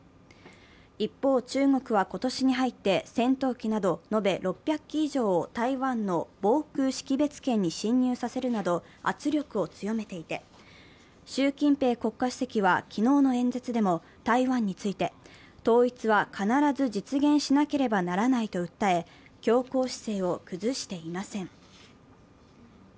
一方、中国は今年に入って戦闘機など延べ６００機以上を台湾の防空識別圏に進入させるなど圧力を強めていて習近平国家主席は昨日の演説でも、台湾について、統一は必ず実現しなければならないと訴え強硬姿勢を崩していません。